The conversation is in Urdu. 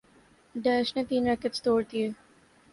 ہارکاغصہبیئونٹ نے تین ریکٹس توڑ دیئے